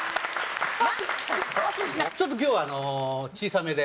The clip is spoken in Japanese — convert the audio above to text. ちょっと今日は小さめで。